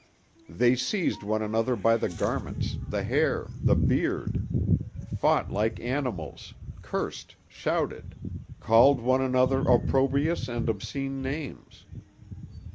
They seized one another by the garments, the hair, the beard—fought like animals, cursed, shouted, called one another opprobrious and obscene names.